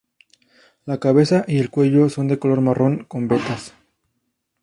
La cabeza y el cuello son de color marrón con vetas.